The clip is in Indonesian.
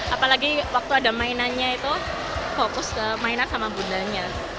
apalagi waktu ada mainannya itu fokus ke mainan sama bundanya